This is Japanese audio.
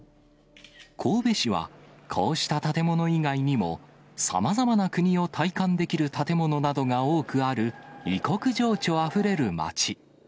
神戸市は、こうした建物以外にも、さまざまな国を体感できる建物などが多くある、異国情緒あふれる街。